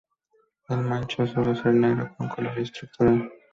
El macho suele ser negro con color estructural.